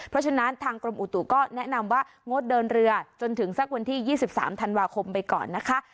เพราะฉะนั้นทางกรมอุตุก็แนะนำว่างดเดินเรือจนถึงสักวันที่๒๓ธันวาคมไปก่อนนะคะ